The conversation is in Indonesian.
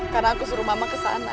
karena aku suruh mama ke sana